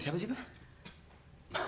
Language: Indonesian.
siapa sih pak